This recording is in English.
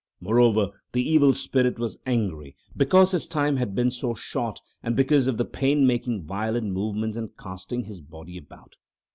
Moreover, the evil spirit was angry because his time had been so short and because of the painmaking violent movements and casting his body about.